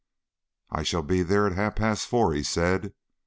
"I shall be there at half past four," he said.